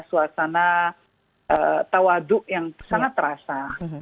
suasana tawaduk yang sangat terasa